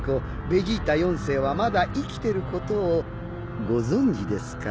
ベジータ四世はまだ生きてることをご存じですか？